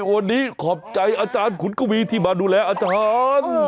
วันนี้ขอบใจอาจารย์ขุนกวีที่มาดูแลอาจารย์